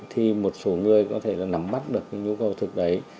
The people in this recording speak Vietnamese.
thì một số người có thể là nắm bắt được cái nhu cầu thực đấy